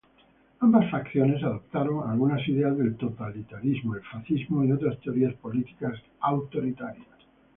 Ambas facciones adoptaron algunas ideas del totalitarismo, el fascismo y otras teorías políticas autoritarias.